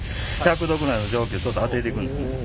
１００度ぐらいの蒸気でちょっとあてていくんですね。